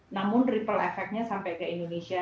namun ripple effect nya sampai ke indonesia